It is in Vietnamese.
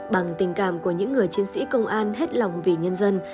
bằng tình cảm của những người chiến sĩ công an hết lòng vì nhân dân